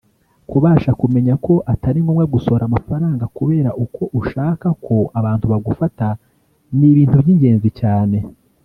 Kubasha kumenya ko atari ngombwa gusohora amafaranga kubera uko ushaka ko abantu bagufata ni ibintu by’ingenzi cyane